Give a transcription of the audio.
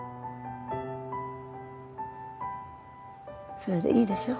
それでいいでしょう。